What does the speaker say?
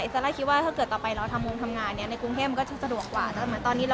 ไม่ได้พูดอะคะเขาไม่ได้พูดเรื่องอะไรแบบนี้